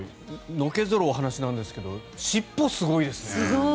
のけ反るお話なんですけど尻尾すごいですね。